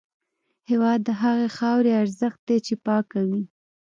هېواد د هغې خاورې ارزښت دی چې پاکه وي.